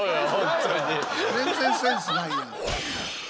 全然センスないやん。